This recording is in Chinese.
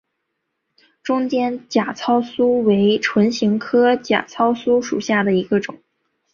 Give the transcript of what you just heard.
中间假糙苏为唇形科假糙苏属下的一个种。